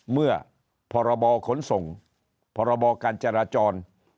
เมื่อพรบขนส่งพรบการจราจร